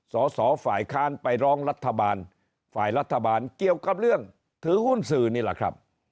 สอสอฝ่ายค้านไปร้องรัฐบาลฝ่ายรัฐบาลเกี่ยวกับเรื่องถือหุ้นสื่อนี่แหละครับ